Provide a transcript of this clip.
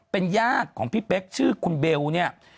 เป็นญาติของพี่เป๊กชื่อคุณเบลเนี่ย